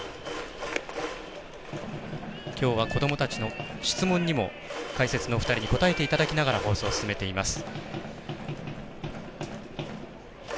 きょうは子どもたちの質問にも解説のお二人に答えていただきながら放送を進めています。